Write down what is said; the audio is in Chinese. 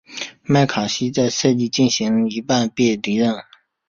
麦卡锡在赛季进行到一半便离任。